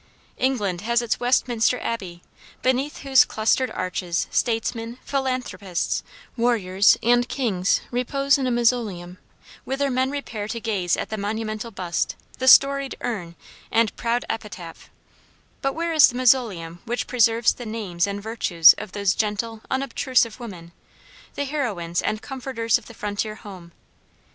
England has its Westminster Abbey, beneath whose clustered arches statesmen, philanthropists, warriors, and kings repose in a mausoleum, whither men repair to gaze at the monumental bust, the storied urn, and proud epitaph; but where is the mausoleum which preserves the names and virtues of those gentle, unobtrusive women the heroines and comforters of the frontier home?